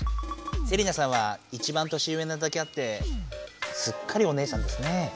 セリナさんは一番年上なだけあってすっかりお姉さんですね。